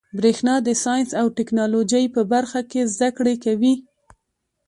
برېښنا د ساینس او ټيکنالوجۍ په برخه کي زده کړي کوي.